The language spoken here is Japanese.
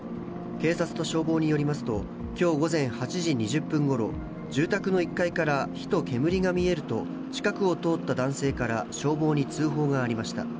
警察と消防によりますと、きょう午前８時２０分ごろ、住宅の１階から火と煙が見えると、近くを通った男性から消防に通報がありました。